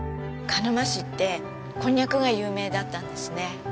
鹿沼市ってこんにゃくが有名だったんですね。